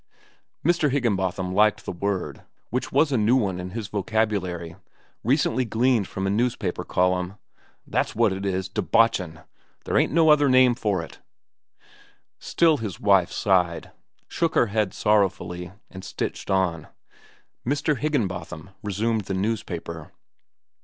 Mr. Higginbotham liked the word, which was a new one in his vocabulary, recently gleaned from a newspaper column. "That's what it is, debotchin'—there ain't no other name for it." Still his wife sighed, shook her head sorrowfully, and stitched on. Mr. Higginbotham resumed the newspaper.